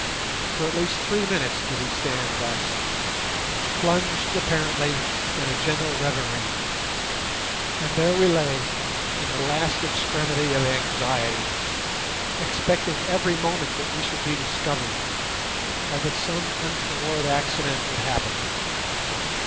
For at least three minutes did he stand thus, plunged apparently in a gentle reverie, and there we lay in the last extremity of anxiety, expecting every moment that we should be discovered or that some untoward accident would happen.